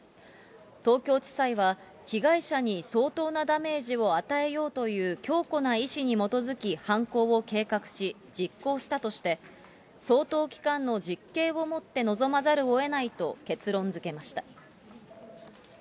東京地裁は、被害者に相当なダメージを与えようという強固な意思に基づき犯行を計画し、実行したとして、相当期間の実刑をもって臨まざるをえないと結論づけました。